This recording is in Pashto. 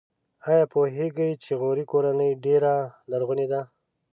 ایا پوهیږئ چې غوري کورنۍ ډېره لرغونې ده؟